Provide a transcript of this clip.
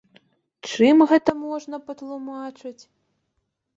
Чым гэта можна патлумачыць?